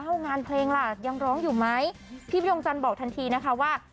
งานเพลงล่ะยังร้องอยู่ไหมพี่พยงจันทร์บอกทันทีนะคะว่า